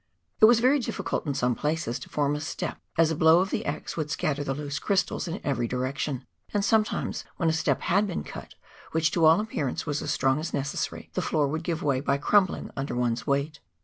It was very difficult in some places to form a step, as a blow of the axe would scatter the loose crystals in every direction, and sometimes when a step had been cut, which to all appearance was as strong as necessary, the floor would give way by crumbling under one's weight.